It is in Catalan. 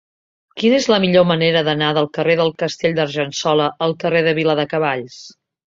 Quina és la millor manera d'anar del carrer del Castell d'Argençola al carrer de Viladecavalls?